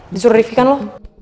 disuruh rifki kan lo